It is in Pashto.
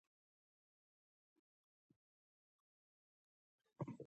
• د سهار نسیم د باغ بوی ورکوي.